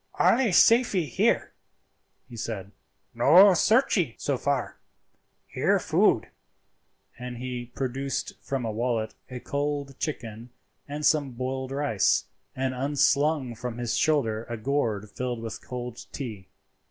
"Allee safee here," he said, "no searchee so far; here food;" and he produced from a wallet a cold chicken and some boiled rice, and unslung from his shoulder a gourd filled with cold tea.